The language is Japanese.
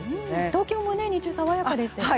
東京も日中、爽やかでしたよね。